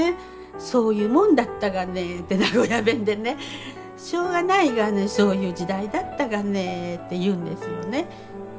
「そういうもんだったがね」って名古屋弁でね「しょうがないがねそういう時代だったがね」って言うんですよね。